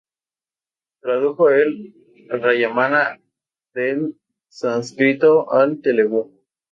Tradujo el Ramayana del sánscrito al telugu.